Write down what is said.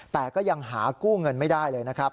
แต่ก็ยังหากู้เงินไม่ได้เลยนะครับ